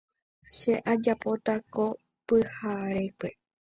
Che ajapóta ko pyharekue.